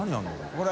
これ。